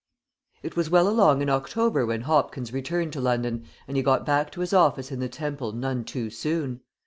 IT was well along in October when Hopkins returned to London, and he got back to his office in the Temple none too soon.